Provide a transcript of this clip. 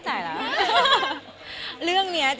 แต่ว่าเราสองคนเห็นตรงกันว่าก็คืออาจจะเรียบง่าย